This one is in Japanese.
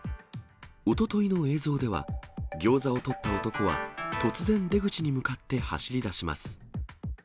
おとといの映像では、ギョーザをとった男は突然、出口に向かって走りだします。